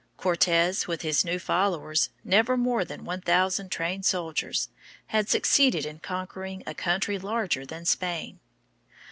Cortes, with his few followers, never more than one thousand trained soldiers, had succeeded in conquering a country larger than Spain.